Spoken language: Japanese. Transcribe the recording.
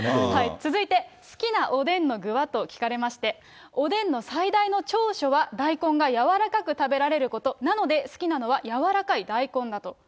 続いて好きなおでんの具はと聞かれまして、おでんの最大の長所は、大根が柔らかく食べられること、なので、好きなのは柔らかい大根だと。